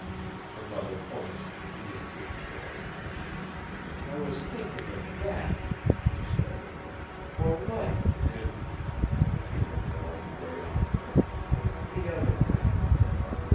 Her mother pointed to the communicating door. "I was thinking of that," she said, "for life and," she looked toward the grey envelope, "the other thing."